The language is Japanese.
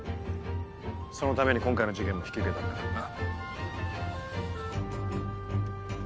そのために今回の事件も引き受けたんだからな。